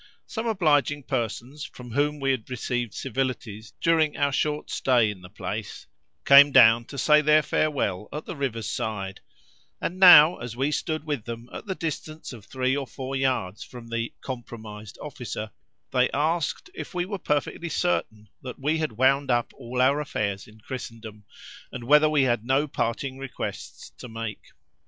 Some obliging persons, from whom we had received civilities during our short stay in the place, came down to say their farewell at the river's side; and now, as we stood with them at the distance of three or four yards from the "compromised" officer, they asked if we were perfectly certain that we had wound up all our affairs in Christendom, and whether we had no parting requests to make.